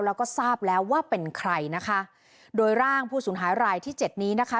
แล้วก็ทราบแล้วว่าเป็นใครนะคะโดยร่างผู้สูญหายรายที่เจ็ดนี้นะคะ